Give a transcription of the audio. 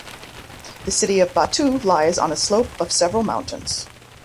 The city of Batu lies on a slope of several mountains.